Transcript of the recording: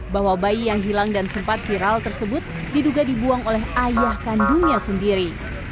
bahwa bayi yang hilang dan sempat viral tersebut diduga dibuang oleh ayah kandungnya sendiri